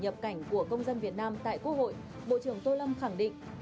nhập cảnh của công dân việt nam tại quốc hội bộ trưởng tô lâm khẳng định